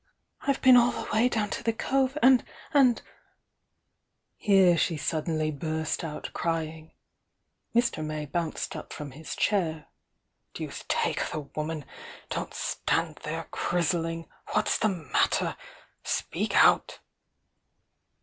"I've been all the way down to the cove, and — and " Here she suddenly burst out crying. Mr. May bounced up from his chair. "Deuce take the woman! — don't stand there griz zling! What's the matter? Speak out!"